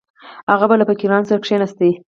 هغه به له فقیرانو سره کښېناست.